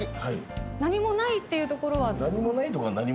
何もないっていうところは？